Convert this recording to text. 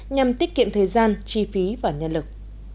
nhằm tiết kiệm thời gian chi phí và nhân lực